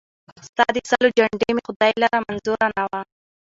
ستا د سالو جنډۍ مي خدای لره منظوره نه وه